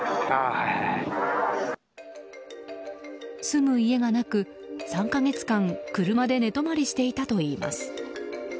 住む家がなく、３か月間車で寝泊まりしていたといいます。